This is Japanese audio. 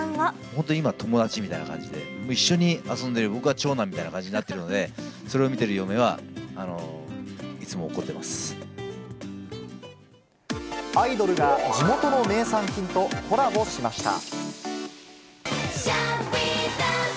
本当、今、友達みたいな感じで、一緒に遊んでる僕が長男みたいな感じなんで、それを見てる嫁は、アイドルが地元の名産品とコラボしました。